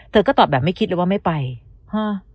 ก็ตอบแบบไม่คิดเลยว่าไม่ไปฮะ